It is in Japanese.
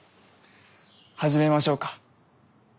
始めましょうか。